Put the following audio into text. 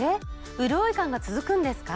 うるおい感が続くんですか？